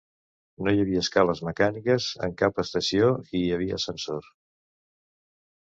No hi havia escales mecàniques en cap estació; hi havia ascensor.